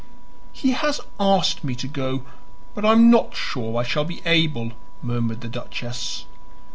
"He has asked me to go, but I am not sure I shall be able," murmured the duchess.